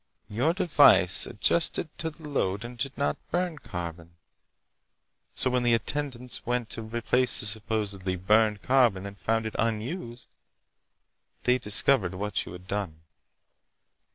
Your device adjusted to the load and did not burn carbon. So when the attendants went to replace the supposedly burned carbon and found it unused, they discovered what you had done."